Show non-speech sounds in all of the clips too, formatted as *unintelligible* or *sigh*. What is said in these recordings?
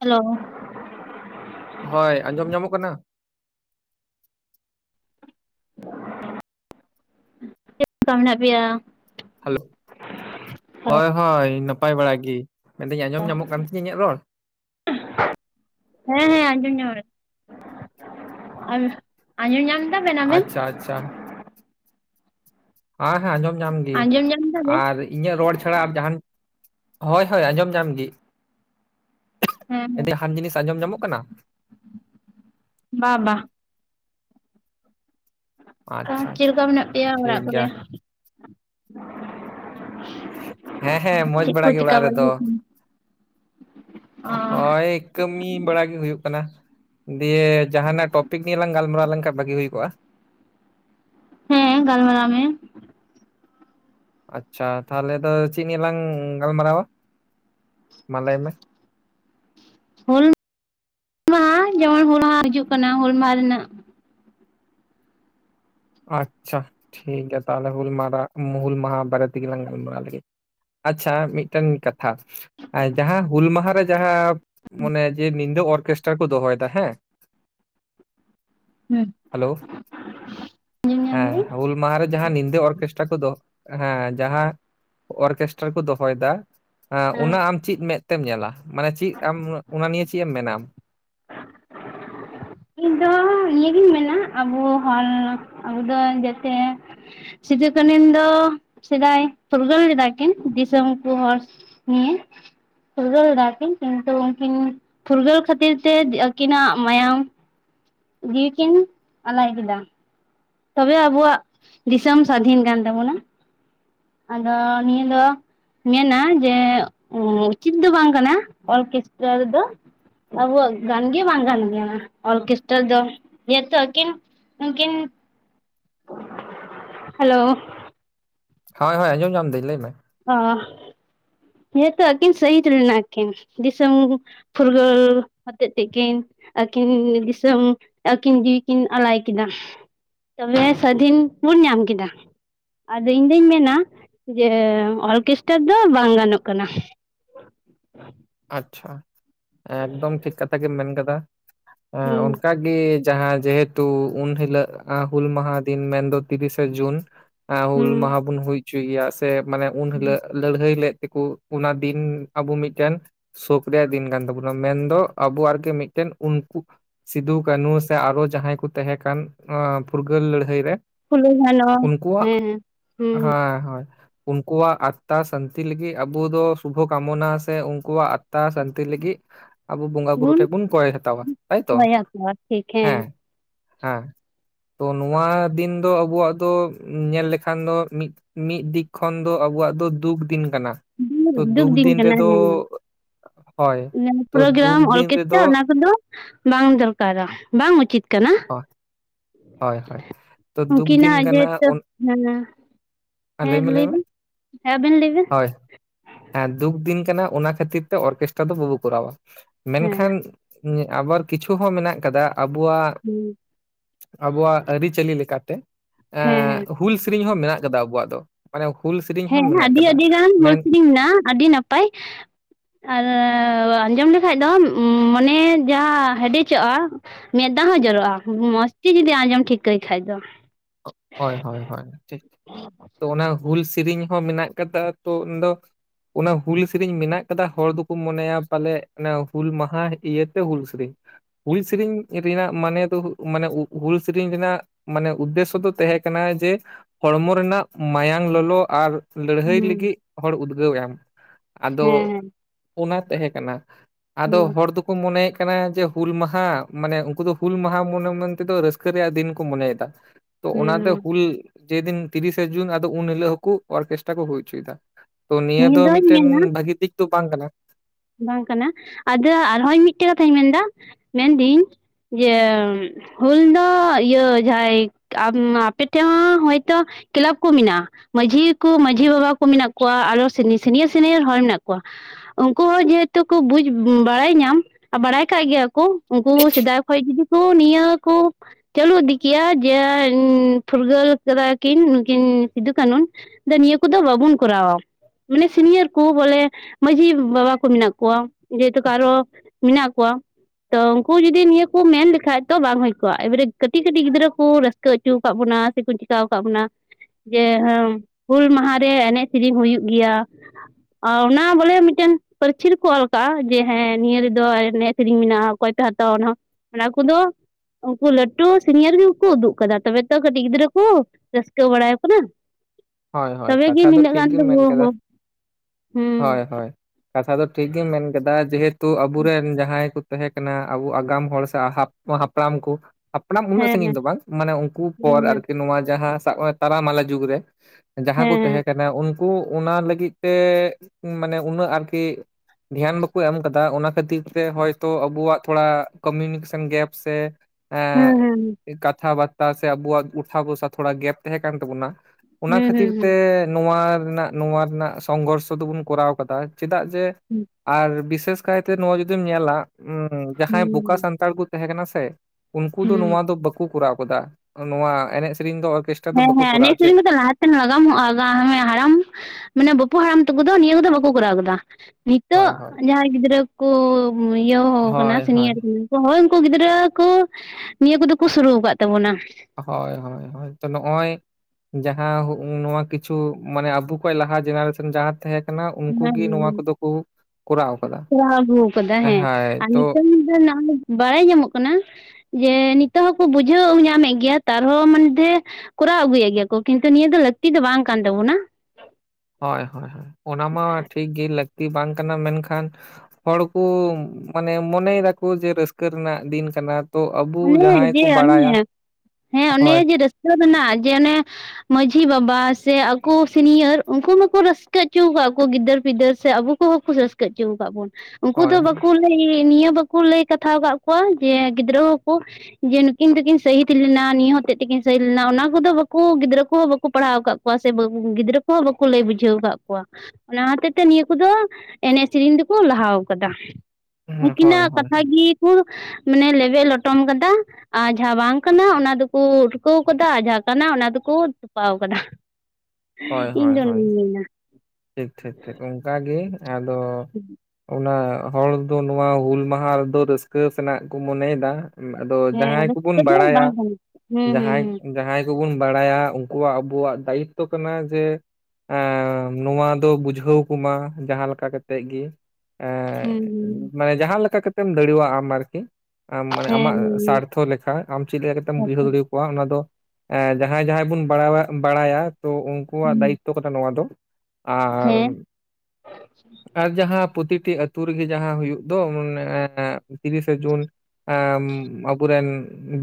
Hello ᱦᱳᱭ ᱟᱸᱡᱚᱢ ᱧᱟᱢᱚᱜ ᱠᱟᱱᱟ? *inaudible* ᱪᱮᱫ ᱞᱮᱠᱟ ᱢᱮᱱᱟᱜ ᱯᱮᱭᱟ? ᱦᱮᱞᱳ ᱦᱳᱭ ᱦᱳᱭ ᱱᱟᱯᱟᱭ ᱵᱟᱲᱟ ᱜᱮ᱾ ᱢᱮᱱᱫᱟᱹᱧ ᱟᱸᱡᱚᱢ ᱧᱟᱢᱚᱜ ᱠᱟᱱ ᱛᱤᱧᱟᱹ ᱤᱧᱟᱹᱜ ᱨᱚᱲ? ᱦᱮᱸ ᱦᱮᱸ ᱟᱸᱡᱚᱢ ᱧᱟᱢ ᱜᱮ ᱟᱢ ᱟᱸᱡᱚᱢ ᱧᱟᱢ ᱫᱟᱵᱮᱱ ᱟᱵᱮᱱ ᱟᱪᱪᱷᱟ ᱟᱪᱪᱷᱟ᱾ ᱦᱮᱸ ᱦᱮᱸ ᱟᱸᱡᱚᱢ ᱧᱟᱢ ᱜᱮ᱾ ᱟᱸᱡᱚᱢ ᱧᱟᱢ ᱫᱟᱵᱮᱱ ᱟᱨ ᱤᱧᱟᱹᱜ ᱨᱚᱲ ᱪᱷᱟᱲᱟ ᱟᱨ ᱡᱟᱦᱟᱱ ᱦᱳᱭ ᱦᱳᱭ ᱟᱸᱡᱚᱢ ᱧᱟᱢ ᱜᱮ᱾ ᱦᱮᱸ ᱦᱮᱸ ᱡᱟᱦᱟᱸᱱ ᱡᱤᱱᱤᱥ ᱟᱸᱡᱚᱢ ᱧᱟᱢᱚᱜ ᱠᱟᱱᱟ? ᱵᱟ ᱵᱟᱝ ᱟᱪᱪᱷᱟ ᱪᱮᱫ ᱟᱪᱪᱷᱟ ᱞᱮᱠᱟ ᱢᱮᱱᱟᱜ ᱯᱮᱭᱟ ᱴᱷᱤᱠ ᱚᱲᱟᱜ ᱜᱮᱭᱟ ᱠᱚᱨᱮ? ᱦᱮᱸ ᱦᱮᱸ ᱢᱚᱸᱡᱽ ᱪᱮᱫ ᱠᱚ ᱜᱮ ᱪᱮᱠᱟ ᱚᱲᱟᱜ ᱵᱟᱲᱟ ᱨᱮᱫᱚ ᱦᱩᱭᱩᱜ ᱠᱟᱱᱟ‌? ᱦᱳᱭ ᱠᱟᱹᱢᱤ ᱵᱟᱲᱟ ᱜᱮ ᱦᱩᱭᱩᱜ ᱠᱟᱱᱟ᱾ ᱫᱤᱭᱮ ᱡᱟᱦᱟᱸᱱᱟᱜ ᱴᱚᱯᱤᱠ ᱱᱤᱭᱮ ᱞᱟᱝ ᱜᱟᱞᱢᱟᱨᱟᱣ ᱞᱮᱱᱠᱷᱟᱱ ᱵᱷᱟᱜᱤ ᱦᱩᱭ ᱠᱚᱜᱼᱟ᱾ ᱦᱮᱸ ᱜᱟᱞᱢᱟᱨᱟᱣ ᱢᱮ᱾ ᱟᱪᱪᱷᱟ ᱛᱟᱦᱚᱞᱮ ᱫᱚ ᱪᱮᱫ ᱱᱤᱭᱮ ᱞᱟᱝ ᱜᱟᱞᱢᱟᱨᱟᱣᱟ ᱢᱟ ᱞᱟᱹᱭ ᱢᱮ? ᱦᱩᱞ ᱢᱟᱦᱟ ᱡᱮᱢᱚᱱ ᱦᱩᱞ ᱢᱟᱦᱟ ᱦᱤᱡᱩᱜ ᱠᱟᱱᱟ ᱦᱩᱞ ᱢᱟᱦᱟ ᱨᱮᱱᱟᱜ ᱟᱪᱪᱷᱟ ᱴᱷᱤᱠ ᱜᱮᱭᱟ ᱛᱟᱦᱚᱞᱮ ᱦᱩᱞ ᱢᱟᱦᱟ ᱦᱩᱞ ᱢᱟᱦᱟ ᱵᱟᱨᱮ ᱛᱮᱜᱮ ᱞᱟᱝ ᱜᱟᱞᱢᱟᱨᱟᱣ ᱞᱮᱜᱮ ᱟᱪᱪᱷᱟ ᱢᱤᱫᱴᱮᱱ ᱠᱟᱛᱷᱟ ᱡᱟᱦᱟᱸ ᱦᱩᱞ ᱢᱟᱦᱟᱨᱮ ᱡᱟᱦᱟᱸ ᱢᱟᱱᱮ ᱡᱮ ᱧᱤᱫᱟᱹ ᱚᱨᱠᱮᱥᱴᱨᱟ ᱠᱚ ᱫᱚᱦᱚᱭᱮᱫᱟ ᱦᱮᱸ ᱦᱮᱸ ᱦᱮᱞᱳ ᱦᱮᱸ ᱫᱟᱹᱧ ᱦᱩᱞ ᱢᱟᱦᱟ ᱨᱮ ᱡᱟᱦᱟᱸ ᱧᱤᱫᱟᱹ ᱚᱨᱠᱮᱥᱴᱨᱟ ᱠᱚ ᱫᱚᱦᱚ ᱦᱮᱸ ᱡᱟᱦᱟᱸ ᱚᱨᱠᱮᱥᱴᱨᱟ ᱠᱚ ᱫᱚᱦᱚᱭ ᱫᱟ ᱦᱮᱸ ᱚᱱᱟ ᱟᱢ ᱪᱮᱫ ᱢᱮᱫ ᱛᱮᱢ ᱧᱮᱞᱟ? ᱢᱟᱱᱮ ᱪᱮᱫ ᱟᱢ ᱚᱱᱟ ᱱᱤᱭᱮ ᱪᱮᱫ ᱮᱢ ᱢᱮᱱᱟ ᱟᱢ? ᱤᱧ ᱫᱚ ᱱᱤᱭᱟᱹᱜᱤᱧ ᱢᱮᱱᱟ ᱟᱵᱚ ᱦᱚᱲ ᱟᱵᱚ ᱫᱚ ᱡᱟᱛᱮ ᱥᱤᱫᱩ ᱠᱟᱱᱩ ᱫᱚ ᱥᱮᱫᱟᱭ ᱯᱷᱩᱨᱜᱟᱹᱞ ᱞᱮᱫᱟ ᱠᱤᱱ ᱫᱤᱥᱚᱢ ᱠᱚ ᱦᱚᱲ *unintelligible* ᱯᱷᱩᱨᱜᱟᱹᱞ ᱞᱮᱫᱟ ᱠᱤᱱ ᱠᱤᱱᱛᱩ ᱩᱱᱠᱤᱱ ᱯᱷᱩᱨᱜᱟᱹᱞ ᱠᱷᱟᱹᱛᱤᱨ ᱛᱮ ᱟᱹᱠᱤᱱᱟᱜ ᱢᱟᱭᱟᱢ ᱡᱤᱣᱤ ᱠᱤᱱ ᱟᱞᱟᱭ ᱠᱮᱫᱟ᱾ ᱛᱚᱵᱮ ᱟᱵᱚᱣᱟᱜ ᱫᱤᱥᱚᱢ ᱥᱟᱫᱷᱤᱱ ᱠᱟᱱ ᱛᱟᱵᱚᱱᱟ᱾ ᱟᱫᱚ ᱱᱤᱭᱟᱹ ᱫᱚ, ᱢᱮᱱᱟ ᱡᱮ ᱩᱪᱤᱛ ᱫᱚ ᱵᱟᱝ ᱠᱟᱱᱟ ᱚᱨᱠᱮᱥᱴᱨᱟ ᱫᱚ᱾ ᱟᱵᱚᱣᱟᱜ ᱜᱟᱱ ᱜᱮᱵᱟᱱ ᱜᱟᱱ ᱜᱮᱭᱟ ᱚᱨᱠᱮᱥᱴᱟᱨ ᱫᱚ ᱡᱮᱦᱛᱩ ᱟᱹᱠᱤᱱ *unintelligible* ᱦᱮᱞᱳ ᱦᱳᱭ ᱦᱳᱭ ᱟᱸᱡᱚᱢ ᱧᱟᱢᱫᱤᱧ ᱞᱮ ᱢᱮ ᱚ ᱡᱮᱦᱩᱛᱩ ᱟᱹᱠᱤᱱ ᱥᱟᱦᱤᱛ ᱞᱮᱱᱟᱠᱤᱱ ᱫᱤᱥᱚᱢ ᱯᱷᱩᱨᱜᱟᱹᱞ ᱦᱚᱛᱮᱜ ᱛᱮᱠᱤᱱ ᱟᱹᱠᱤᱱ ᱫᱤᱥᱚᱢ ᱟᱠᱤᱱ ᱡᱤᱣᱤ ᱠᱤᱱ ᱟᱞᱟᱭ ᱠᱮᱫᱟ ᱛᱚᱵᱮ ᱥᱟᱹᱫᱷᱤᱱ ᱵᱚᱱ ᱧᱟᱢ ᱠᱮᱫᱟ ᱟᱫᱚ ᱤᱧᱫᱩᱧ ᱢᱮᱱᱟ ᱡᱮ ᱚᱨᱜᱮᱥᱴᱟᱨ ᱫᱚ ᱵᱟᱝ ᱜᱟᱱᱚᱜ ᱠᱟᱱᱟ ᱾ ᱟᱪᱪᱷᱟ ᱮᱠᱫᱚᱢ ᱴᱷᱤᱠ ᱠᱟᱛᱷᱟ ᱜᱮᱢ ᱢᱮᱱᱠᱟᱫᱟ ᱦᱩᱸ ᱚᱱᱠᱟ ᱜᱮ ᱡᱟᱦᱟ ᱡᱮᱦᱩᱛᱩ ᱩᱱ ᱦᱤᱞᱳᱜ ᱦᱩᱞ ᱢᱟᱦᱟ ᱫᱤᱱ ᱢᱮᱱᱫᱚ ᱛᱤᱨᱤᱥᱟ ᱡᱩᱱ ᱦᱩᱞ ᱦᱩᱸ ᱢᱟᱦᱟ ᱵᱩᱱ ᱦᱩᱭ ᱦᱚᱪᱚᱭ ᱜᱮᱭᱟ ᱥᱮ ᱢᱟᱱᱮ ᱩᱱ ᱦᱤᱞᱳᱜ ᱞᱟᱹᱲᱦᱟᱹᱭ ᱞᱮᱫ ᱛᱮᱠᱚ ᱚᱱᱟ ᱫᱤᱱ ᱟᱵᱚ ᱢᱤᱫᱴᱮᱱ ᱥᱳᱠ ᱨᱮᱭᱟᱜ ᱫᱤᱱ ᱠᱟᱱ ᱛᱟᱵᱚᱱᱟ ᱾ ᱢᱮᱱᱫᱚ ᱟᱵᱚ ᱟᱨᱠᱤ ᱢᱤᱫᱴᱮᱱ ᱩᱱᱠᱩ ᱥᱤᱫᱩ ᱠᱟᱹᱱᱩ ᱥᱮ ᱟᱨᱚ ᱡᱟᱦᱟᱭ ᱠᱚ ᱛᱟᱦᱮᱸ ᱠᱟᱱ ᱱᱚᱣᱟ ᱯᱷᱩᱨᱜᱟᱹᱞ ᱞᱟᱹᱲᱦᱟᱹᱭ ᱨᱮ ᱯᱷᱩᱞᱳ ᱡᱷᱟᱱᱚ ᱩᱱᱠᱩᱣᱟᱜ ᱦᱮᱸ ᱦᱩᱸ ᱦᱟᱸ ᱦᱳᱭ ᱾ ᱩᱱᱠᱩᱣᱟᱜ ᱟᱛᱛᱟ ᱥᱟᱱᱛᱤ ᱞᱟᱹᱜᱤᱜ ᱟᱵᱚ ᱫᱚ ᱥᱩᱵᱷᱚ ᱠᱟᱢᱚᱱᱟ ᱥᱮ ᱩᱱ ᱠᱚᱣᱟᱜ ᱟᱛᱛᱟ ᱥᱟᱱᱛᱤ ᱞᱟᱹᱜᱤᱜ ᱟᱵᱚ ᱵᱚᱸᱜᱟ ᱵᱩᱨᱩ ᱴᱷᱮᱜ ᱵᱚᱱ ᱠᱚᱭ ᱦᱟᱛᱟᱣᱟ ᱛᱟᱭᱛᱚ ᱦᱚᱦᱚᱭᱟᱠᱚ ᱴᱷᱤᱠ ᱦᱮᱸ ᱦᱮᱸ ᱾ ᱛᱚ ᱱᱚᱣᱟ ᱫᱤᱱ ᱫᱚ ᱟᱵᱚᱣᱟᱜ ᱫᱚ ᱧᱮᱞ ᱞᱮᱠᱷᱟᱱ ᱫᱚ ᱢᱤᱫ ᱢᱤᱫ ᱫᱤᱠ ᱠᱷᱚᱱ ᱫᱚ ᱟᱵᱚᱣᱟᱜ ᱫᱚ ᱫᱩᱠᱫᱤᱱ ᱠᱟᱱᱟ ᱾ ᱫᱩᱠ ᱫᱤᱱ ᱠᱟᱱᱟ ᱦᱮᱸ ᱦᱳᱭ ᱾ ᱛᱚ ᱫᱩᱠ ᱯᱨᱳᱜᱨᱟᱢ ᱫᱤᱱ ᱨᱮᱫᱚ ᱚᱨᱜᱮᱥᱴᱟᱨ ᱚᱱᱟ ᱠᱚᱫᱚ ᱵᱟᱝ ᱫᱚᱨᱠᱟᱨᱟ ᱵᱟᱝ ᱩᱪᱤᱛ ᱠᱟᱱᱟ ᱾ ᱦᱳᱭ ᱦᱳᱭ ᱦᱳᱭ ᱛᱚ ᱫᱩᱠ ᱫᱤᱱ ᱩᱱᱠᱤᱱᱟᱜ ᱠᱟᱱᱟ ᱡᱮᱦᱮᱛᱩ ᱚᱱ ᱦᱮᱸ ᱞᱟᱹᱭ ᱢᱮ, ᱞᱟᱹᱭ ᱢᱮ, ᱦᱮᱸ ᱟᱵᱮᱱ ᱞᱟᱹᱭ ᱵᱮᱱ ᱦᱳᱭ ᱦᱮᱸ ᱫᱩᱠ ᱫᱤᱱ ᱠᱟᱱᱟ ᱚᱱᱟ ᱠᱷᱟᱹᱛᱤᱨ ᱛᱮ ᱚᱨᱜᱮᱥᱴᱟᱨ ᱫᱚ ᱵᱟᱵᱚ ᱠᱚᱨᱟᱣᱟ ᱢᱮᱱᱠᱷᱟᱱ ᱟᱵᱟᱨ ᱠᱤᱪᱷᱩ ᱦᱚᱸ ᱢᱮᱱᱟᱜ ᱠᱟᱫᱟ ᱟᱵᱚᱣᱟᱜ ᱦᱩᱸ ᱾ ᱟᱵᱚᱣᱟᱜ ᱟᱹᱨᱤᱪᱟᱹᱞᱤ ᱞᱮᱠᱟᱛᱮ ᱦᱮᱸ ᱮᱸ ᱦᱩᱞ ᱥᱤᱨᱤᱧ ᱦᱚᱸ ᱢᱮᱱᱟᱜ ᱠᱟᱫᱟ ᱟᱵᱚᱣᱟᱜ ᱫᱚ ᱾ ᱢᱟᱱᱮ ᱦᱩᱞ ᱥᱤᱨᱤᱧ ᱦᱮᱸ ᱦᱚᱸ ᱦᱮᱸ ᱢᱮᱱᱟᱜ ᱟᱹᱰᱤ ᱠᱟᱫᱟ ᱟᱹᱰᱤ ᱜᱟᱱ ᱢᱮᱱ ᱾ *unintelligible* ᱟᱹᱰᱤ ᱱᱟᱯᱟᱭ ᱾ ᱟᱨ ᱟᱸᱡᱚᱢ ᱞᱮᱠᱷᱟᱡᱽ ᱫᱚ ᱢᱚᱱᱮ ᱡᱟ ᱦᱮᱰᱮᱡᱚᱜᱼᱟᱸ᱾ ᱢᱮᱫ ᱫᱟᱜ ᱦᱚᱸ ᱡᱚᱨᱚᱜᱼᱟ ᱢᱚᱪ ᱛᱮ ᱡᱩᱫᱤ ᱟᱸᱡᱚᱢ ᱴᱷᱤᱠᱟᱹᱭ ᱠᱷᱟᱡᱽ ᱫᱚ ᱦᱳᱭ ᱦᱳᱭ ᱦᱳᱭ ᱴᱷᱤᱠ ᱾ ᱛᱚ ᱚᱱᱟ ᱦᱩᱞ ᱥᱤᱨᱤᱧ ᱦᱚᱸ ᱢᱮᱱᱟᱜ ᱠᱟᱫᱟ ᱛᱚ ᱩᱱ ᱫᱚ ᱚᱱᱟ ᱦᱩᱞ ᱥᱤᱨᱤᱧ ᱢᱮᱱᱟᱜ ᱠᱟᱫᱟ ᱦᱚᱲ ᱫᱚᱠᱚ ᱢᱚᱱᱮᱭᱟ ᱯᱟᱞᱮᱜ ᱚᱱᱮ ᱦᱩᱞ ᱢᱟᱦᱟ ᱤᱭᱟᱹᱛᱮ ᱦᱩᱞ ᱥᱤᱨᱤᱧ ᱦᱩᱞ ᱥᱤᱨᱤᱧ ᱨᱮᱱᱟᱜ ᱢᱟᱱᱮ ᱫᱚ ᱢᱟᱱᱮ ᱦᱩᱞ ᱥᱤᱨᱤᱧ ᱨᱮᱱᱟᱜ ᱢᱟᱱᱮ ᱩᱫᱽᱫᱮᱥᱥᱚ ᱠᱚᱫᱚ ᱛᱟᱦᱮᱸ ᱠᱟᱱᱟ ᱡᱮ ᱦᱚᱲᱢᱚ ᱨᱮᱱᱟᱜ ᱢᱟᱭᱟᱝ ᱞᱚᱞᱚ ᱟᱨ ᱞᱟᱹᱲᱦᱟᱹᱭ ᱦᱮᱸ ᱞᱟᱹᱜᱤᱜ ᱦᱚᱲ ᱩᱫᱽᱜᱟᱹᱣ ᱮᱢ ᱟᱫᱚ ᱦᱮᱸ ᱚᱱᱟ ᱛᱟᱦᱮᱸ ᱠᱟᱱᱟ ᱟᱫᱚ ᱦᱮᱸ ᱦᱚᱲ ᱫᱚ ᱠᱚ ᱢᱚᱱᱮᱭᱮᱜ ᱠᱟᱱᱟ ᱡᱮ ᱦᱩᱞ ᱢᱟᱦᱟ ᱢᱟᱱᱮ ᱩᱱᱠᱩ ᱫᱚ ᱦᱩᱞ ᱢᱟᱦᱟ ᱢᱚᱱᱮ ᱢᱮᱱᱛᱮ ᱫᱚ ᱨᱟᱹᱥᱠᱟᱹ ᱨᱮᱭᱟᱜ ᱫᱤᱱ ᱠᱚ ᱢᱚᱱᱮᱭᱮᱫᱟ ᱾ ᱛᱚ ᱚᱱᱟᱛᱮ ᱦᱮᱸ ᱦᱩᱞ ᱡᱮᱫᱤᱱ ᱛᱤᱨᱤᱥᱥᱟ ᱡᱩᱱ ᱟᱫᱚ ᱩᱱ ᱦᱤᱞᱳᱜ ᱦᱚᱸᱠᱚ ᱚᱨᱠᱮᱥᱴᱟᱨ ᱠᱚ ᱦᱩᱭ ᱦᱚᱪᱚᱭ ᱫᱟ ᱾ ᱛᱚ ᱱᱤᱭᱟᱹ ᱫᱚ ᱫᱚᱧ ᱢᱤᱫᱴᱮᱱ ᱧᱮᱞ ᱵᱷᱟᱹᱜᱤ ᱫᱤᱠ ᱫᱚ ᱵᱟᱝ ᱠᱟᱱᱟ ᱾ ᱵᱟᱝ ᱠᱟᱱᱟ ᱟᱫᱚ ᱟᱨᱦᱚᱸ ᱤᱧ ᱢᱤᱫᱴᱮᱱ ᱠᱟᱛᱷᱟᱧ ᱢᱮᱱᱫᱟ ᱢᱮᱱᱫᱟᱹᱧ ᱡᱮ ᱦᱩᱞ ᱫᱚ ᱤᱭᱟᱹ ᱡᱟᱦᱟᱭ ᱟᱯᱮ ᱴᱷᱮᱱ ᱦᱚᱸ ᱦᱚᱭᱛᱚ ᱠᱞᱟᱵᱽ ᱠᱚ ᱢᱮᱱᱟᱜᱼᱟ ᱾ ᱢᱟᱹᱡᱷᱤ ᱠᱚ ᱢᱟᱹᱡᱷᱤ ᱵᱟᱵᱟ ᱠᱚ ᱢᱮᱱᱟᱜ ᱠᱚᱣᱟ ᱟᱨᱚ ᱥᱤᱱᱭᱟᱨ ᱥᱤᱱᱭᱟᱨ ᱦᱚᱲ ᱦᱮᱱᱟᱜ ᱠᱚᱣᱟ ᱾ ᱠᱚ ᱡᱮᱦᱩᱛᱩ ᱠᱚ ᱵᱩᱡᱽ ᱵᱟᱲᱟᱭ ᱧᱟᱢ ᱵᱟᱲᱟᱭ ᱠᱟᱜ ᱜᱮᱭᱟ ᱠᱚ ᱩᱱᱠᱩ ᱥᱮᱫᱟᱭ ᱠᱷᱚᱡᱽ ᱡᱩᱫᱤ ᱠᱚ ᱱᱤᱭᱟᱹ ᱠᱚ ᱪᱟᱹᱞᱩ ᱤᱫᱤ ᱠᱮᱭᱟ ᱡᱮ ᱯᱷᱩᱨᱜᱟᱹᱞ ᱠᱟᱫᱟ ᱠᱤᱱ ᱱᱩᱠᱤᱱ ᱥᱤᱫᱩ ᱠᱟᱹᱱᱩᱱ ᱱᱤᱭᱟᱹ ᱠᱚᱫᱚ ᱵᱟᱵᱚᱱ ᱠᱚᱨᱟᱣᱟ ᱢᱟᱱᱮ ᱥᱤᱱᱭᱟᱨ ᱠᱚ ᱵᱚᱞᱮ ᱢᱟᱹᱡᱷᱤ ᱾ ᱵᱟᱵᱟ ᱠᱚ ᱢᱮᱱᱟᱜ ᱠᱚᱣᱟ ᱡᱮᱦᱮᱛᱩ ᱟᱨᱦᱚ ᱢᱮᱱᱟᱜ ᱠᱚᱣᱟ᱾ ᱛᱚ ᱩᱱᱠᱩ ᱡᱩᱫᱤ ᱱᱤᱭᱟᱹ ᱠᱚ ᱢᱮᱱ ᱞᱮᱠᱷᱟᱡ ᱛᱚ ᱵᱟᱝ ᱦᱩᱭ ᱠᱚᱜᱼᱟ᱾ ᱮᱭᱵᱟᱨᱮ ᱠᱟᱹᱴᱤᱡ ᱠᱟᱹᱴᱤᱡ ᱜᱤᱫᱽᱨᱟᱹ ᱠᱚ ᱨᱟᱹᱥᱠ ᱤᱠᱟᱹ ᱚᱪᱚᱣ ᱟᱠᱟᱫ ᱵᱚᱱᱟ ᱥᱮᱠᱚ ᱪᱤᱠᱟᱣ ᱟᱠᱟᱫ ᱵᱚᱱᱟ ᱾ ᱡᱮ ᱦᱮᱸ ᱦᱩᱞ ᱢᱟᱦᱟ ᱨᱮ ᱮᱱᱮᱡ ᱥᱮᱨᱮᱧ ᱦᱩᱭᱩᱜ ᱜᱮᱭᱟ᱾ ᱚ ᱚᱱᱟ ᱵᱚᱞᱮ ᱢᱤᱫᱴᱮᱝ ᱯᱟᱹᱨᱪᱷᱤ ᱨᱮᱠᱚ ᱚᱞ ᱟᱠᱟᱜᱼᱟ ᱡᱮ ᱦᱮᱸ ᱱᱤᱭᱟᱹ ᱨᱮᱫᱚ ᱮᱱᱮᱡ ᱥᱮᱨᱮᱧ ᱢᱮᱱᱟᱜᱼᱟ ᱚᱠᱚᱭ ᱯᱮ ᱦᱟᱛᱟᱣᱟ ᱚᱱᱟ ᱦᱚᱸ ᱚᱱᱟ ᱠᱚᱫᱚ ᱩᱱᱠᱩ ᱞᱟᱹᱴᱩ ᱥᱤᱱᱤᱭᱟᱨ ᱜᱮᱠᱚ ᱩᱫᱩᱜ ᱟᱠᱟᱫᱟ ᱛᱚᱵᱮ ᱛᱚ ᱠᱟᱹᱴᱤᱡ ᱜᱤᱫᱽᱨᱟᱹ ᱠᱩ ᱨᱟᱹᱥᱠᱟᱹ ᱵᱟᱲᱟᱭᱟ ᱠᱚ ᱱᱟᱜ ᱦᱳᱭ ᱦᱳᱭ, ᱠᱟᱛᱷᱟ ᱫᱚ ᱴᱷᱤᱠ ᱜᱮᱢ ᱢᱮᱱ ᱦᱚᱸ ᱠᱟᱫᱟ᱾ ᱦᱚᱸ ᱦᱩᱸ ᱦᱳᱭ ᱦᱳᱭ᱾ ᱠᱟᱛᱷᱟ ᱫᱚ ᱴᱷᱤᱠ ᱜᱮᱢ ᱢᱮᱱ ᱠᱟᱫᱟ ᱡᱮᱦᱮᱛᱩ ᱟᱵᱚᱨᱮᱱ ᱡᱟᱦᱟᱸᱭ ᱠᱚ ᱛᱟᱦᱮᱸ ᱠᱟᱱᱟ ᱟᱵᱚ ᱟᱜᱟᱢ ᱦᱚᱲ ᱥᱮ ᱦᱟᱯᱲᱟᱢ ᱠᱚ᱾ ᱦᱟᱯᱲᱟᱢ ᱩᱱᱟᱹᱜ ᱦᱮᱸ ᱥᱟᱺᱜᱤᱧ ᱦᱮᱸ ᱫᱚ ᱵᱟᱝ ᱢᱟᱱᱮ ᱩᱱᱠᱩ ᱯᱚᱨ ᱦᱮᱸ ᱟᱨᱠᱤ ᱱᱚᱣᱟ ᱡᱟᱦᱟᱸ ᱥᱟᱵ ᱠᱟᱢᱮ ᱛᱟᱞᱟ ᱢᱟᱞᱟ ᱡᱩᱜᱽ ᱨᱮ᱾ ᱡᱟᱦᱟᱸ ᱠᱚ ᱦᱮᱸ ᱛᱟᱦᱮᱸ ᱠᱟᱱᱟ ᱩᱱᱠᱩ ᱚᱱᱟ ᱞᱟᱹᱜᱤᱫ ᱛᱮ ᱢᱟᱱᱮ ᱩᱱᱟᱹᱜ ᱟᱨᱠᱤ᱾ ᱫᱷᱮᱭᱟᱱ ᱵᱟᱹᱠᱚ ᱮᱢ ᱠᱟᱫᱟ ᱚᱱᱟ ᱠᱷᱟᱹᱛᱤᱨ ᱛᱮ ᱦᱚᱭᱛᱳ ᱟᱵᱚᱣᱟᱜ ᱛᱷᱚᱲᱟ ᱠᱚᱢᱤᱭᱩᱱᱤᱠᱮᱥᱚᱱ ᱜᱮᱯ ᱥᱮ ᱦᱮᱸ ᱦᱮᱸ ᱦᱮᱸ ᱮᱸ ᱠᱟᱛᱷᱟ ᱵᱟᱨᱛᱟ ᱥᱮ ᱟᱵᱚᱣᱟᱜ ᱩᱴᱷᱟ ᱵᱚᱥᱟ ᱛᱷᱚᱲᱟ ᱜᱮᱯ ᱛᱟᱦᱮᱸ ᱠᱟᱱ ᱛᱟᱵᱚᱱᱟ᱾ ᱚᱱᱟ ᱦᱮᱸ ᱠᱷᱟᱹᱛᱤᱨ ᱦᱮᱸ ᱛᱮ ᱱᱚᱣᱟ ᱨᱮᱱᱟᱜ ᱱᱚᱣᱟ ᱨᱮᱱᱟᱜ ᱥᱚᱝᱜᱚᱨᱥᱚ ᱫᱚᱵᱚᱱ ᱠᱚᱨᱟᱣ ᱠᱟᱫᱟ᱾ ᱪᱮᱫᱟᱜ ᱡᱮ ᱟᱨ ᱵᱤᱥᱮᱥ ᱠᱟᱭᱛᱮ ᱱᱚᱣᱟ ᱡᱩᱫᱤᱢ ᱧᱮᱞ ᱩᱸ ᱡᱟᱦᱟᱸᱭ ᱵᱚᱠᱟ ᱥᱟᱱᱛᱟᱲ ᱠᱚ ᱛᱟᱦᱮᱸ ᱠᱟᱱᱟ ᱥᱮ ᱩᱱᱠᱩ ᱫᱚ ᱦᱮᱸ ᱱᱚᱣᱟ ᱦᱮᱸ ᱫᱚ ᱵᱟᱠᱚ ᱠᱚᱨᱟᱣ ᱟᱠᱟᱫᱟ ᱱᱚᱣᱟ ᱮᱱᱮᱡ ᱥᱮᱨᱮᱧ ᱫᱚ ᱚᱨᱠᱮᱥᱴᱨᱟ ᱫᱚ ᱦᱮᱸ ᱵᱟᱠᱚ ᱦᱮᱸ, ᱠᱚᱨᱟᱣ ᱮᱱᱮᱡ ᱥᱮᱨᱮᱧ ᱠᱚᱫᱚ ᱞᱟᱦᱟᱛᱮ ᱱᱟᱜᱟᱢ ᱟᱜᱟᱢ ᱦᱟᱲᱟᱢ ᱢᱟᱱᱮ ᱵᱟᱹᱯᱩ ᱦᱟᱲᱟᱢ ᱛᱟᱹᱠᱚ ᱫᱚ ᱱᱤᱭᱟᱹ ᱠᱚᱫᱚ ᱵᱟᱠᱚ ᱠᱚᱨᱟᱣ ᱠᱟᱫᱟ᱾ ᱛᱚᱜ ᱦᱚᱪᱚᱭᱮᱫ ᱦᱳᱭ ᱦᱳᱭ ᱡᱟᱦᱟᱸᱭ ᱜᱤᱫᱽᱨᱟᱹ ᱠᱚ ᱤᱭᱟᱹᱣ ᱟᱠᱟᱱᱟ ᱦᱳᱭ ᱦᱳᱭ ᱥᱤᱱᱤᱭᱟᱨ ᱠᱟᱱᱟ ᱦᱳᱭ ᱩᱱᱠᱩ ᱜᱤᱫᱽᱨᱟᱹ ᱠᱚ ᱱᱤᱭᱟᱹ ᱠᱚᱫᱚ ᱠᱚ ᱥᱩᱨᱩ ᱟᱠᱟᱫ ᱛᱟᱵᱚᱱᱟ᱾ ᱦᱳᱭ ᱦᱳᱭ ᱦᱳᱭ, ᱛᱚ ᱱᱚᱜᱼᱚᱭ ᱡᱟᱦᱟᱸ ᱱᱚᱣᱟ ᱠᱤᱪᱷᱩ ᱢᱟᱱᱮ ᱟᱵᱚ ᱠᱷᱚᱱ ᱞᱟᱦᱟ ᱡᱮᱱᱟᱨᱮᱥᱚᱱ ᱡᱟᱦᱟᱸ ᱛᱟᱦᱮᱸ ᱠᱟᱱᱟ, ᱩᱱᱠᱩ ᱜᱮ ᱱᱚᱣᱟ ᱠᱚᱫᱚ ᱠᱚ ᱠᱚᱨᱟᱣ ᱠᱟᱫᱟ ᱠᱚᱨᱟᱣ ᱟᱹᱜᱩᱣᱟᱠᱟᱫᱟ ᱦᱮᱸ ᱦᱳᱭ ᱟᱨ ᱛᱚ ᱱᱤᱛᱳᱝ ᱫᱚ ᱱᱚᱜᱼᱚᱭ ᱵᱟᱲᱟᱭ ᱧᱟᱢᱚᱜ ᱠᱟᱱᱟ ᱡᱮ ᱱᱤᱛᱚᱜ ᱦᱚᱸᱠᱚ ᱵᱩᱡᱷᱟᱹᱣ ᱧᱟᱢᱮᱜ ᱜᱮᱭᱟ ᱛᱟᱨᱦᱚᱸ ᱢᱟᱱᱫᱷᱮ ᱠᱚᱨᱟᱣ ᱟᱹᱜᱩᱭᱮᱫ ᱜᱮᱭᱟ ᱠᱚ ᱠᱤᱱᱛᱩ ᱱᱤᱭᱟᱹ ᱫᱚ ᱞᱟᱹᱠᱛᱤ ᱫᱚ ᱵᱟᱝ ᱠᱟᱱ ᱛᱟᱵᱚᱱᱟ᱾ ᱦᱳᱭ ᱦᱳᱭ ᱦᱳᱭ, ᱚᱱᱟ ᱢᱟ ᱴᱷᱤᱠ ᱜᱮ ᱞᱟᱹᱠᱛᱤ ᱵᱟᱝ ᱠᱟᱱᱟ ᱢᱮᱱᱠᱷᱟᱱ ᱦᱚᱲᱠᱩ ᱢᱟᱱᱮ ᱢᱚᱱᱮᱭ ᱫᱟᱠᱚ ᱡᱮ ᱨᱟᱹᱥᱠᱟᱹ ᱨᱮᱱᱟᱜ ᱫᱤᱱ ᱠᱟᱱᱟ ᱛᱚ ᱟᱵᱚ ᱚᱱᱮ ᱡᱟᱦᱟᱸᱭ ᱠᱚ ᱡᱮ ᱵᱟᱲᱟᱭᱟ ᱚᱱᱮ ᱦᱮᱸ ᱚᱱᱮ ᱦᱳᱭ ᱡᱮ ᱨᱟᱹᱥᱠᱟᱹ ᱢᱮᱱᱟᱜ ᱡᱮ ᱚᱱᱮ ᱢᱟᱺᱡᱷᱤ ᱵᱟᱵᱟ ᱥᱮ ᱟᱠᱚ ᱥᱤᱱᱤᱭᱟᱨ ᱩᱱᱠᱩ ᱢᱟᱠᱩ ᱨᱟᱹᱥᱠᱟᱹ ᱚᱪᱚ ᱟᱠᱟᱜ ᱠᱚ ᱜᱤᱫᱟᱹᱨ ᱯᱤᱫᱟᱹᱨ ᱥᱮ ᱟᱵᱚᱼᱼ ᱩᱱᱠᱩ ᱦᱚᱸᱠᱩ ᱨᱟᱹᱥᱠᱟᱹ ᱚᱪᱚ ᱟᱠᱟᱫ ᱵᱚᱱ᱾ ᱩᱱᱠᱩ ᱦᱳᱭ ᱫᱚ ᱦᱳᱭ ᱵᱟᱠᱚ ᱞᱟᱹᱭ ᱱᱤᱭᱟᱹ ᱵᱟᱠᱚ ᱞᱟᱹᱭ ᱠᱟᱛᱷᱟ ᱟᱠᱟᱫ ᱠᱚᱣᱟ ᱡᱮ ᱜᱤᱫᱽᱨᱟᱹ ᱦᱚᱸᱠᱚ ᱡᱮ ᱱᱩᱠᱤᱱ ᱫᱚᱠᱤᱱ ᱥᱟᱹᱦᱤᱫᱽ ᱞᱮᱱᱟ ᱱᱤᱭᱟᱹ ᱦᱚᱛᱮᱡ ᱛᱮᱠᱤᱱ ᱥᱟᱹᱦᱤᱫᱽ ᱞᱮᱱᱟ ᱚᱱᱟ ᱠᱚᱫᱚ ᱵᱟᱹᱠᱩ ᱜᱤᱫᱽᱨᱟᱹ ᱠᱚᱦᱚᱸ ᱵᱟᱹᱠᱚ ᱯᱟᱲᱦᱟᱣ ᱟᱠᱟᱫ ᱠᱚᱣᱟ᱾ ᱠᱚᱣᱟ ᱥᱮ ᱵᱟᱹᱵᱩ ᱜᱤᱫᱽᱨᱟᱹ ᱠᱚᱦᱚᱸ ᱵᱟᱹᱠᱚ ᱞᱟᱹᱭ ᱵᱩᱡᱷᱟᱹᱣ ᱟᱠᱟᱫ ᱠᱚᱣᱟ᱾ ᱚᱱᱟ ᱦᱚᱛᱮ ᱛᱮ ᱱᱤᱭᱟᱹ ᱠᱚᱫᱚ ᱮᱱᱮᱡ ᱥᱮᱨᱮᱧ ᱫᱚᱠᱚ ᱞᱟᱦᱟᱣ ᱟᱠᱟᱫᱟ᱾ ᱦᱩᱸ ᱦᱳᱭ ᱩᱱᱠᱤᱱᱟᱜ ᱦᱳᱭ ᱠᱟᱛᱷᱟ ᱜᱮ ᱠᱚ ᱢᱟᱱᱮ ᱞᱮᱵᱮᱫ ᱞᱚᱴᱚᱢ ᱠᱟᱫᱟ᱾ ᱟ ᱡᱟᱦᱟᱸ ᱵᱟᱝ ᱠᱟᱱᱟ ᱚᱱᱟ ᱫᱚᱠᱚ ᱩᱴᱠᱟᱹᱣ ᱠᱟᱫᱟ ᱟᱨ ᱡᱟᱦᱟᱸ ᱠᱟᱱᱟ ᱚᱱᱟ ᱫᱚᱠᱚ ᱛᱚᱯᱟᱣ ᱠᱟᱫᱟ᱾ ᱦᱳᱭ ᱤᱧ ᱦᱳᱭ ᱫᱚᱧ ᱦᱳᱭ ᱢᱮᱱᱟ᱾ *unintelligible* ᱴᱷᱤᱠ ᱴᱷᱤᱠ ᱴᱷᱤᱠ, ᱚᱱᱠᱟᱜᱮ ᱟᱫᱚ ᱚᱱᱟ ᱦᱚᱲ ᱫᱚ ᱱᱚᱣᱟ ᱦᱩᱞ ᱢᱟᱦᱟ ᱨᱮᱫᱚ ᱨᱟᱹᱥᱠᱟᱹ ᱥᱮᱱᱟᱜ ᱠᱚ ᱢᱚᱱᱮᱭᱫᱟ᱾ ᱟᱫᱚ ᱡᱟᱦᱟᱸᱭ ᱦᱮᱸ ᱠᱚᱵᱚᱱ ᱨᱟᱹᱥᱠᱟᱹ ᱫᱚ ᱵᱟᱲᱟᱭᱟ ᱵᱟᱝ ᱠᱟᱱᱟ ᱦᱩᱸ ᱡᱟᱦᱟᱸᱭ ᱦᱩᱸ ᱡᱟᱦᱟᱸᱟᱭ ᱠᱚᱵᱚᱱ ᱵᱟᱲᱟᱭᱟ ᱩᱱᱠᱩᱣᱟᱜ ᱟᱵᱚᱣᱟᱜ ᱫᱟᱭᱤᱛᱚ ᱠᱟᱱᱟ ᱡᱮ ᱮᱸ ᱱᱚᱣᱟ ᱫᱚ ᱵᱩᱡᱷᱟᱹᱣ ᱠᱚᱢᱟ ᱡᱟᱦᱟᱸ ᱞᱮᱠᱟ ᱠᱟᱛᱮᱜ ᱜᱮ ᱮᱸᱜ ᱢᱟᱱᱮ ᱡᱟᱦᱟᱸ ᱞᱮᱠᱟ ᱠᱟᱛᱮᱢ ᱫᱟᱲᱮᱣᱟᱜ ᱟᱢ ᱟᱨᱠᱤ᱾ ᱟᱢ ᱢᱟᱱᱮ ᱟᱢᱟᱜ ᱦᱩᱸ ᱥᱟᱨᱛᱷᱚ ᱞᱮᱠᱟ ᱟᱢ ᱪᱮᱫ ᱞᱮᱠᱟ ᱠᱟᱛᱮᱢ ᱦᱩᱸ ᱜᱤᱨᱦᱚ ᱫᱟᱲᱮᱼᱼ *unintelligible* ᱚᱱᱟ ᱫᱚ ᱡᱟᱦᱟᱸᱭ ᱡᱟᱦᱟᱸᱭ ᱵᱚᱱ ᱵᱟᱲᱟ ᱵᱟᱲᱟᱭᱟ ᱛᱚ ᱩᱱᱠᱩᱣᱟᱜ ᱫᱟᱭᱤᱛᱛᱚ ᱠᱟᱱᱟ ᱱᱚᱣᱟ ᱫᱚ᱾ ᱟᱨ, ᱟᱨ ᱡᱟᱦᱟᱸ ᱯᱨᱚᱛᱤᱴᱤ ᱟᱹᱛᱳ ᱨᱮᱜᱮ ᱡᱟᱦᱟᱸ ᱦᱩᱭᱩᱜ ᱫᱚ ᱢᱚᱱᱮ ᱛᱤᱨᱤᱥᱮ ᱡᱩᱱ ᱮᱢ ᱟᱵᱚᱨᱮᱱ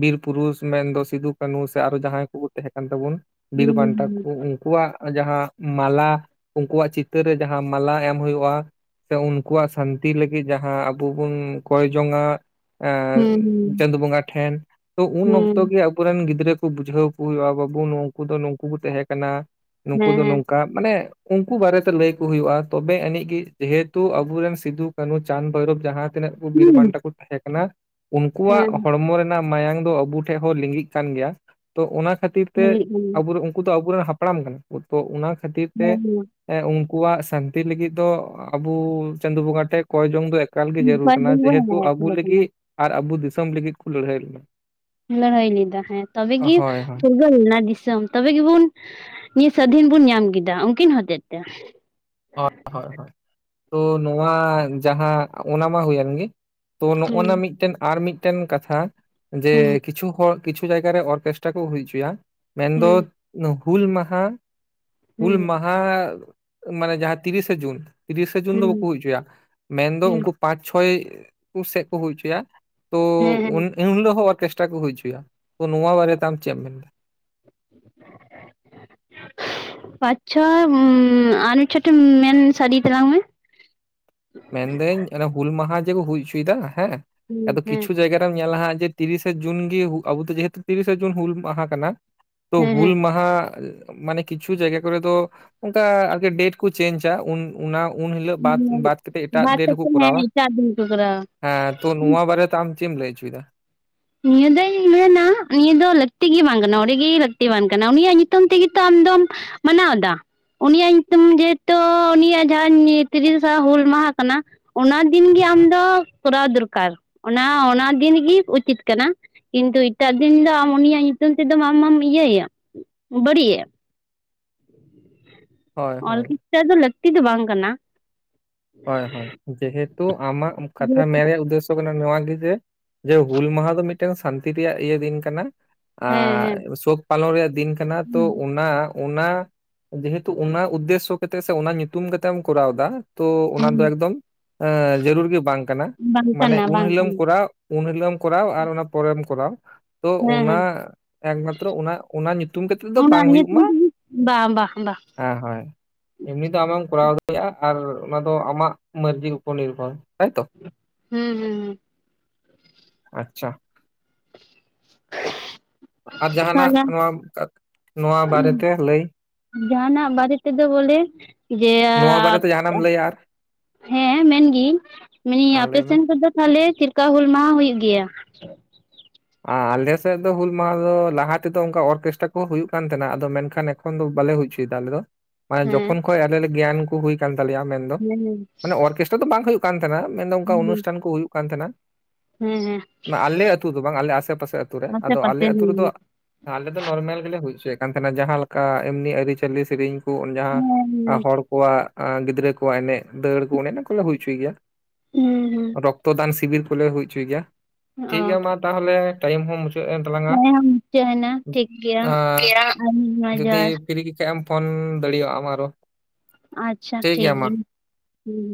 ᱵᱤᱨ ᱯᱩᱨᱩᱥ ᱢᱮᱱᱫᱚ ᱥᱤᱫᱩ ᱠᱟᱹᱱᱩ ᱥᱮ ᱟᱨᱚ ᱡᱟᱦᱟᱸᱭ ᱠᱚᱠᱚ ᱛᱟᱦᱮᱸ ᱠᱟᱱ ᱛᱟᱵᱚᱱ ᱵᱤᱨ ᱵᱟᱱᱴᱟ ᱠᱚ ᱩᱱᱠᱩᱣᱟᱜ ᱡᱟᱦᱟᱸ ᱢᱟᱞᱟ ᱩᱱᱠᱩᱣᱟᱜ ᱪᱤᱛᱟᱹᱨ ᱨᱮ ᱡᱟᱦᱟᱸ ᱢᱟᱞᱟ ᱮᱢ ᱦᱩᱭᱩᱜᱼᱟ ᱥᱮ ᱩᱱᱠᱩᱣᱟᱜ ᱥᱟᱹᱱᱛᱤ ᱞᱟᱹᱜᱤᱫ ᱡᱟᱦᱟᱸ ᱟᱵᱚ ᱵᱚᱱ ᱠᱚᱭ ᱡᱚᱝᱼᱟ ᱦᱩᱸ ᱮᱸ ᱪᱟᱸᱫᱚ ᱵᱚᱸᱜᱟ ᱴᱷᱮᱱ ᱛᱚ ᱦᱮᱸ ᱦᱮᱸ ᱦᱮᱸ ᱦᱮᱸ ᱦᱮᱸ ᱦᱮᱸ ᱦᱮᱸ ᱩᱱ ᱦᱮᱸ ᱚᱠᱛᱚ ᱜᱮ ᱟᱵᱚ ᱩᱱᱠᱩᱨᱮᱱ ᱜᱤᱫᱽᱨᱟᱹᱠᱩ ᱵᱩᱡᱷᱟᱹᱣᱠᱩ ᱦᱩᱭᱩᱜᱼᱟ ᱵᱟᱹᱵᱩ ᱱᱩᱝᱠᱩᱫᱚ ᱱᱩᱝᱠᱩᱠᱩ ᱛᱟᱦᱮᱸ ᱠᱟᱱᱟ ᱱᱩᱝᱠᱩ ᱫᱚ ᱱᱚᱝᱠᱟ ᱢᱟᱱᱮ ᱩᱱᱠᱩ ᱵᱟᱨᱮᱛᱮ ᱞᱟᱹᱭ ᱠᱚ ᱦᱩᱭᱩᱜᱼᱟ ᱛᱚᱵᱮ ᱟᱹᱱᱤᱡ ᱜᱮ ᱡᱮᱦᱮᱛᱩ ᱟᱵᱚᱨᱮᱱ ᱥᱤᱫᱩ-ᱠᱟᱹᱱᱩ, ᱪᱟᱸᱫᱽ- ᱵᱷᱳᱭᱨᱚᱵ ᱡᱟᱦᱟᱸ ᱛᱤᱱᱟᱹᱜ ᱠᱚ ᱵᱤᱨ ᱵᱟᱱᱴᱟ ᱠᱚ ᱛᱟᱦᱮᱸ ᱠᱟᱱᱟ ᱩᱱᱠᱩᱣᱟᱜ ᱦᱚᱲᱢᱚ ᱨᱮᱱ ᱱᱟᱜ ᱢᱟᱭᱟᱝ ᱫᱚ ᱟᱵᱚ ᱴᱷᱮᱡ ᱦᱚᱸ ᱞᱤᱜᱤᱜ ᱠᱟᱱ ᱜᱮᱭᱟ᱾ ᱛᱚ ᱚᱱᱟ ᱠᱷᱟᱹᱛᱤᱨ ᱛᱮ ᱟᱵᱚᱨᱮᱱ ᱩᱱᱠᱩ ᱫᱚ ᱟᱵᱚᱨᱮᱱ ᱦᱟᱯᱲᱟᱢ ᱠᱟᱱᱟ ᱠᱚ, ᱛᱚ ᱚᱱᱟ ᱠᱷᱟᱹᱛᱤᱨ ᱛᱮ ᱮᱸ ᱩᱱᱠᱩᱣᱟᱜ ᱥᱟᱱᱛᱤ ᱞᱟᱹᱜᱤᱫ ᱫᱚ ᱟᱵᱚ ᱪᱟᱸᱫ ᱵᱚᱸᱜᱟ ᱴᱷᱮᱱ ᱠᱚᱭ ᱡᱚᱝ ᱫᱚ ᱮᱠ ᱮᱠᱟᱞ ᱜᱮ ᱡᱟᱹᱨᱩᱲ ᱠᱟᱱᱟ ᱡᱮᱦᱮᱛᱩ ᱞᱟᱹᱭᱮᱫ ᱠᱟᱹᱱᱟᱹᱧ ᱦᱮᱸ ᱨᱮᱸᱜᱮᱡ ᱟᱵᱩ ᱠᱟᱱᱟ ᱞᱟᱹᱜᱤᱫ ᱦᱮᱸ ᱟᱨ ᱟᱵᱚ ᱫᱤᱥᱚᱢ ᱞᱟᱹᱜᱤᱫ ᱠᱚ ᱞᱟᱹᱲᱦᱟᱹᱭ ᱞᱮᱱᱟ᱾ ᱞᱟᱹᱲᱦᱟᱹᱭ ᱞᱮᱫᱟ ᱦᱮᱸ ᱛᱚᱵᱮᱜᱮ ᱦᱳᱭ ᱦᱳᱭ ᱯᱷᱩᱨᱜᱟᱹᱞᱱᱟ ᱫᱤᱥᱚᱢ ᱛᱚᱵᱮ ᱜᱮᱵᱚᱱ ᱱᱤᱭᱟᱹ ᱥᱟᱹᱫᱷᱤᱱ ᱵᱚᱱ ᱧᱟᱢ ᱠᱮᱫᱟ, ᱩᱱᱠᱤᱱ ᱦᱚᱛᱮᱡ ᱛᱮ᱾ ᱦᱳᱭ ᱦᱳᱭ ᱦᱳᱭ ᱛᱚ ᱱᱚᱣᱟ ᱡᱟᱦᱟᱸ ᱚᱱᱟ ᱢᱟ ᱦᱩᱭᱮᱱ ᱜᱮ᱾ ᱛᱚ ᱱᱚᱜ ᱦᱩᱸ ᱱᱟ ᱢᱤᱫᱴᱮᱱ ᱟᱨ ᱢᱤᱫᱴᱮᱱ ᱠᱟᱛᱷᱟ ᱦᱩᱸ ᱡᱮ ᱠᱤᱪᱷᱩ ᱦᱚᱲ ᱠᱤᱪᱷᱩ ᱡᱟᱭᱜᱟ ᱨᱮ ᱚᱨᱠᱮᱥᱴᱨᱟ ᱠᱚ ᱦᱩᱭ ᱚᱪᱚᱭᱟ, ᱢᱮᱱᱫᱚ ᱦᱩᱸ ᱦᱩᱞ ᱢᱟᱦᱟ ᱦᱩᱞ ᱦᱩᱸ ᱢᱟᱦᱟ ᱢᱟᱱᱮ ᱡᱟᱦᱟᱸ ᱛᱤᱨᱤᱥᱮ ᱡᱩᱱ, ᱛᱤᱨᱤᱥᱮ ᱡᱩᱱ ᱫᱚ ᱦᱩᱸ ᱵᱟᱠᱚ ᱦᱩᱭ ᱚᱪᱚᱭᱟ, ᱢᱮᱱᱫᱚ ᱦᱩᱸ ᱩᱱᱠᱩ ᱯᱟᱸᱪ ᱪᱷᱚᱭ ᱠᱚ ᱥᱮᱫ ᱠᱚ ᱦᱩᱭ ᱚᱪᱚᱭᱟ᱾ ᱛᱚ ᱦᱮᱸ ᱦᱮᱸ ᱩᱱᱦᱤᱞᱳᱜ ᱦᱚᱸ ᱚᱨᱠᱮᱥᱴᱨᱟ ᱠᱚ ᱦᱩᱭ ᱦᱚᱪᱚᱭᱟ ᱛᱚ ᱱᱚᱣᱟ ᱵᱟᱨᱮᱛᱮ ᱟᱢ ᱪᱮᱫ ᱮᱢ ᱢᱮᱱᱫᱟ? ᱟᱪᱪᱷᱟ ᱩᱸᱻ ᱟᱨ ᱪᱷᱚᱴᱮᱱ ᱢᱮᱱ ᱥᱟᱰᱤᱭ ᱛᱟᱞᱟᱝ ᱢᱮ ᱢᱮᱱᱫᱟᱹᱧ ᱚᱱᱮ ᱦᱩᱞ ᱢᱟᱦᱟ ᱡᱮᱠᱚ ᱦᱩᱭ ᱦᱚᱪᱚᱭᱮᱫᱟ, ᱦᱮᱸ ᱦᱩᱸ ᱟᱫᱚ ᱦᱮᱸ ᱠᱤᱪᱷᱩ ᱡᱟᱭᱜᱟ ᱮᱢ ᱧᱮᱞᱟ ᱦᱟᱸᱜ ᱡᱮ ᱛᱤᱨᱤᱥᱮ ᱡᱩᱱ ᱜᱮ ᱟᱵᱚ ᱫᱚ ᱡᱮᱦᱮᱛᱩ ᱛᱤᱨᱤᱥᱮ ᱡᱩᱱ ᱦᱩᱞ ᱢᱟᱦᱟ ᱠᱟᱱᱟ᱾ ᱛᱚ ᱦᱮᱸ ᱦᱩᱞ ᱦᱮᱸ ᱢᱟᱦᱟ ᱢᱟᱱᱮ ᱠᱤᱪᱷᱩ ᱡᱟᱭᱜᱟ ᱠᱚᱨᱮ ᱫᱚ ᱚᱝᱠᱟ ᱟᱜᱮ ᱰᱮᱴ ᱠᱚ ᱪᱮᱧᱡᱟ ᱩᱱ ᱚᱱᱟ ᱩᱱ ᱦᱤᱞᱳᱜ ᱵᱟᱫ, ᱵᱟᱫ ᱠᱟᱛᱮ ᱮᱴᱟᱜ ᱵᱟᱫ ᱰᱮᱴ ᱠᱟᱛᱮ ᱦᱚᱸᱠᱚ ᱦᱮᱸ ᱠᱚᱨᱟᱣᱟ, ᱮᱴᱟᱜ ᱫᱤᱱ ᱠᱚ ᱠᱚᱨᱟᱣᱟ ᱦᱮᱸ ᱛᱚ ᱱᱚᱣᱟ ᱵᱟᱨᱮᱛᱮ ᱟᱢ ᱪᱮᱫ ᱮᱢ ᱞᱟᱹᱭ ᱦᱚᱪᱚᱭᱮᱫᱟ? ᱱᱤᱭᱟᱹ ᱫᱚᱧ ᱢᱮᱱᱟ ᱱᱤᱭᱟᱹ ᱫᱚ ᱞᱟᱹᱠᱛᱤ ᱜᱮ ᱵᱟᱝ ᱠᱟᱱᱟ ᱚᱸᱰᱮ ᱜᱮ ᱞᱟᱹᱠᱛᱤ ᱵᱟᱝ ᱠᱟᱱᱟ ᱩᱱᱤᱭᱟᱜ ᱧᱩᱛᱩᱢ ᱛᱮᱜᱮᱛᱚ ᱟᱢᱫᱚᱢ ᱢᱟᱱᱟᱣ ᱫᱟ᱾ ᱩᱱᱤᱭᱟᱜ ᱧᱩᱛᱩᱢ ᱡᱮᱦᱮᱛᱩ ᱩᱱᱤᱭᱟᱜ ᱡᱟᱦᱟᱸ ᱛᱤᱨᱤᱥᱟ ᱦᱩᱞ ᱢᱟᱦᱟ ᱠᱟᱱᱟ, ᱚᱱᱟ ᱫᱤᱱᱜᱤ ᱟᱢᱫᱚ ᱠᱚᱨᱟᱣ ᱫᱚᱨᱠᱟᱨ, ᱚᱱᱟ ᱚᱱᱟ ᱫᱤᱱᱜᱤ ᱩᱪᱤᱛ ᱠᱟᱱᱟ ᱠᱤᱱᱛᱩ ᱮᱴᱟᱜ ᱫᱤᱱ ᱫᱚ ᱟᱢ ᱩᱱᱤᱭᱟᱜ ᱧᱩᱛᱩᱢ ᱛᱮᱫᱚ ᱟᱢᱢᱟᱢ ᱤᱭᱟᱹᱭᱮ ᱵᱟᱹᱲᱤᱡᱭᱮᱫ᱾ ᱦᱳᱭ ᱚᱞ ᱦᱳᱭ ᱠᱤᱥᱴᱟ ᱫᱚ ᱞᱟᱹᱠᱛᱤ ᱫᱚ ᱵᱟᱝ ᱠᱟᱱᱟ᱾ ᱦᱳᱭ ᱦᱳᱭ ᱡᱮᱦᱮᱛᱩ ᱟᱢᱟᱜ ᱠᱟᱛᱷᱟ ᱢᱮᱱᱨᱮᱭᱟᱜ ᱩᱫᱽᱫᱮᱥᱚ ᱠᱟᱱᱟ ᱱᱚᱣᱟ ᱜᱮ ᱡᱮ ᱡᱮ ᱦᱩᱞ ᱢᱟᱦᱟ ᱫᱚ ᱢᱤᱫᱴᱮᱱ ᱥᱟᱱᱛᱤ ᱨᱮᱭᱟᱜ ᱤᱭᱟᱹ ᱫᱤᱱ ᱠᱟᱱᱟ, ᱦᱮᱸ ᱟᱨ ᱥᱩᱠ ᱯᱟᱞᱚᱱ ᱨᱮᱭᱟᱜ ᱫᱤᱱ ᱠᱟᱱᱟ ᱛᱚ ᱦᱮᱸ ᱚᱱᱟ ᱚᱱᱟ ᱡᱮᱦᱮᱛᱩ ᱚᱱᱟ ᱩᱫᱽᱫᱮᱥᱥᱚ ᱠᱟᱛᱮᱜ ᱥᱮ ᱚᱱᱟ ᱧᱩᱛᱩᱢ ᱠᱟᱛᱮᱢ ᱠᱚᱨᱟᱣ ᱫᱟ᱾ ᱛᱚ ᱚᱱᱟ ᱦᱮᱸ ᱫᱚ ᱮᱠᱫᱚᱢ, ᱮᱸ ᱡᱟᱹᱨᱩᱲ ᱜᱮ ᱵᱟᱝ ᱠᱟᱱᱟ ᱵᱟᱝ ᱢᱟᱱᱮ ᱠᱟᱱᱟ ᱩᱱ ᱵᱟᱝ ᱦᱤᱞᱳᱢ ᱠᱟᱱᱟ ᱠᱚᱨᱟᱣ ᱩᱱ ᱦᱤᱞᱳᱜ ᱮᱢ ᱠᱚᱨᱟᱣ ᱟᱨ ᱚᱱᱟ ᱯᱚᱨᱮᱢ ᱠᱚᱨᱟᱣ, ᱛᱚ ᱦᱮᱸ ᱚᱱᱟ ᱦᱮᱸ ᱮᱠᱢᱟᱛᱨᱚ ᱚᱱᱟ ᱧᱩᱛᱩᱢ ᱠᱟᱛᱮ ᱫᱚ ᱚᱱᱟ ᱵᱟᱝ ᱦᱩᱭᱩᱜ ᱢᱟ, ᱧᱩᱛᱩᱢ ᱵᱟ ᱵᱟ ᱵᱟ ᱦᱳᱭ ᱦᱳᱭ ᱮᱢᱱᱤ ᱫᱚ ᱟᱢ ᱦᱚᱢ ᱠᱚᱨᱟᱣ ᱫᱟᱲᱮᱭᱟᱜ-ᱟ ᱟᱨ ᱚᱱᱟ ᱫᱚ ᱟᱢᱟᱜ ᱢᱟᱹᱨᱡᱤ ᱩᱯᱚᱨ ᱱᱤᱨᱵᱷᱚᱨ ᱦᱚᱭᱛᱚ᱾ ᱦᱩᱸ ᱦᱩᱸ ᱟᱪᱪᱷᱟ ᱟᱨ ᱡᱟᱦᱟᱸᱱᱟᱜ ᱛᱟᱦᱚᱞᱮ ᱱᱚᱣᱟ ᱱᱚᱣᱟ ᱵᱟᱨᱮᱛᱮ ᱞᱟᱹᱭ? ᱡᱟᱦᱟᱸᱱᱟᱜ ᱵᱟᱨᱮ ᱛᱮᱫᱚ ᱵᱚᱞᱮ ᱡᱮ ᱱᱚᱣᱟ ᱵᱟᱨᱮᱛᱮ ᱡᱟᱦᱟᱸᱱᱟᱜ ᱮᱢ ᱞᱟᱹᱭᱟᱢ ᱟᱨ? ᱦᱮᱸ ᱢᱮᱱᱜᱤ ᱢᱮᱱᱮᱡ ᱟᱹᱧ ᱟᱨ ᱞᱟᱹᱭ ᱢᱮ? ᱟᱯᱮᱥᱮᱱ ᱠᱚᱫᱚ ᱛᱟᱦᱚᱞᱮ ᱪᱤᱫᱞᱮᱠᱟ ᱦᱩᱞ ᱢᱟᱦᱟ ᱦᱩᱭᱩᱜ ᱜᱮᱭᱟ? ᱟ ᱟᱞᱮ ᱥᱮᱫ ᱫᱚ ᱦᱩᱞ ᱢᱟᱦᱟ ᱫᱚ ᱞᱟᱦᱟ ᱛᱮᱫᱚ ᱚᱱᱠᱟ ᱚᱨᱠᱮᱥᱴᱨᱟ ᱠᱚᱦᱚᱸ ᱦᱩᱭᱩᱜ ᱠᱟᱱ ᱛᱟᱦᱮᱸᱱᱟ ᱟᱫᱚ ᱢᱮᱱᱠᱷᱟᱱ ᱩᱱᱠᱷᱚᱱ ᱫᱚ ᱵᱟᱞᱮ ᱦᱩᱭ ᱚᱪᱚᱟᱭ ᱫᱟ ᱟᱞᱮ ᱫᱚ ᱢᱟᱱᱮ ᱦᱮᱸ ᱡᱚᱠᱷᱚᱱ ᱠᱷᱚᱱ ᱟᱞᱮ ᱞᱮ ᱜᱮᱭᱟᱱ ᱠᱚ ᱦᱩᱭ ᱠᱟᱱᱟᱱ ᱛᱟᱞᱮᱭᱟ ᱢᱮᱱᱫᱚ, ᱦᱮᱸ ᱢᱟᱱᱮ ᱚᱨᱠᱮᱥᱴᱨᱟ ᱫᱚ ᱵᱟᱝ ᱦᱩᱭᱩᱜ ᱠᱟᱱ ᱛᱟᱦᱮᱱᱟ ᱢᱮᱱᱫᱚ ᱚᱱᱠᱟ ᱚᱱᱩᱥᱴᱷᱟᱱ ᱠᱚ ᱦᱩᱭᱩᱜ ᱠᱟᱱ ᱛᱟᱦᱮᱱᱟ, ᱦᱮᱸ ᱦᱮᱸ ᱢᱟᱱᱮ ᱟᱞᱮ ᱟᱹᱛᱩ ᱫᱚ ᱵᱟᱝ ᱟᱞᱮ ᱟᱥᱮ ᱯᱟᱥᱮ ᱟᱹᱛᱩ ᱨᱮ, ᱟᱥᱮ ᱟᱫᱚ ᱯᱟᱥᱮ ᱟᱞᱮ ᱦᱮᱸ ᱟᱹᱛᱩ ᱨᱮᱫᱚ ᱟᱞᱮ ᱫᱚ ᱱᱚᱨᱢᱮᱞ ᱜᱮᱞᱮ ᱦᱩᱭ ᱚᱪᱚᱭᱮ ᱠᱟᱱ ᱛᱷᱟᱞᱟ, ᱡᱟᱦᱟᱸᱞᱮᱠᱟ ᱮᱢᱱᱤ ᱟᱹᱨᱤᱪᱟ. ᱞᱤ ᱥᱮᱨᱤᱧ ᱠᱚ ᱡᱟᱦᱟᱸ ᱦᱮᱸ ᱦᱚᱲ ᱠᱚᱣᱟᱜ, ᱜᱤᱫᱽᱨᱟᱹ ᱠᱚᱣᱟᱜ ᱮᱱᱮᱡ, ᱫᱟᱹᱲ ᱠᱚ ᱚᱱᱮ ᱚᱱᱟ ᱠᱚᱞᱮ ᱦᱩᱭ ᱦᱚᱪᱚᱭ ᱜᱮᱭᱟ᱾ ᱦᱩᱸ-ᱦᱩᱸ ᱨᱚᱠᱛᱚᱫᱟᱱ ᱥᱤᱵᱤᱨ ᱠᱚᱞᱮ ᱦᱩᱭ ᱦᱚᱪᱚᱭ ᱜᱮᱭᱟ ᱴᱷᱤᱠ ᱚ ᱜᱮᱭᱟ ᱢᱟ ᱛᱟᱦᱚᱞᱮ ᱴᱟᱭᱤᱢ ᱦᱚᱸ ᱢᱩᱪᱟᱹᱫ ᱮᱱ᱾ ᱦᱮᱸ ᱢᱩᱪᱟᱹᱫ ᱮᱱᱟ ᱴᱷᱤᱠ ᱜᱮᱭᱟ ᱟᱨ ᱢᱤᱫ ᱡᱚᱦᱟᱨ *inaudible* ᱠᱤᱨᱤᱠ ᱠᱟᱜ ᱮᱢ ᱯᱷᱳᱱ ᱫᱟᱲᱮᱭᱟᱜᱼᱟᱢ ᱟᱨᱚ᱾ ᱟᱪᱪᱷᱟ ᱴᱷᱤᱠ ᱜᱮᱭᱟ ᱜᱤ ᱢᱟ ᱦᱩᱸ,